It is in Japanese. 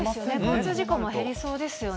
交通事故も減りそうですよね。